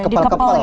di kepel kepel ya